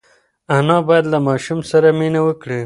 انا باید له ماشوم سره مینه وکړي.